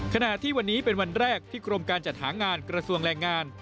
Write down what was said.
ขณะที่วันนี้เป็นวันแรกที่กรมการจัดหางานกระทรวงแรงงาน